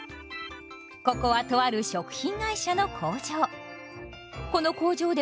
ここはとある食品会社の工場。